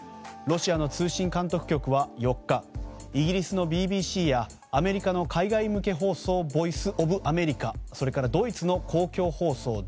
ロシアの通信監督局は４日イギリスのＢＢＣやアメリカの海外向け放送ボイス・オブ・アメリカそれからドイツの公共放送